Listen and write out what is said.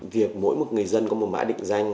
việc mỗi một người dân có một mã định danh